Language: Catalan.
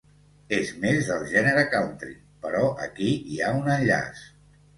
És més del gènere country però aquí hi ha un enllaç.